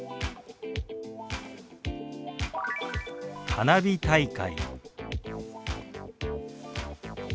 「花火大会」。